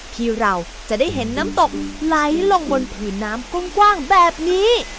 ที่เราจะได้เห็นน้ำตกไหลลงบนผืนน้ำกว้างแบบนี้